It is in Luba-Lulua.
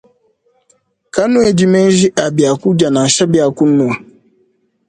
Kanuedi menji a biakudia nansha bia kunua.